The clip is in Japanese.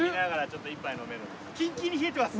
キンキンに冷えてます。